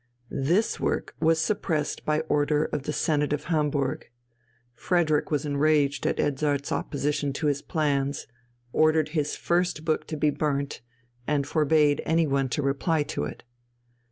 This work was suppressed by order of the senate of Hamburg. Frederick was enraged at Edzardt's opposition to his plans, ordered his first book to be burnt, and forbade any one to reply to it.